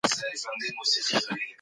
د یخچال دروازه لویه او سپینه وه.